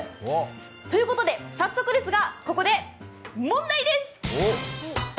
ということで、早速ですがここで問題です。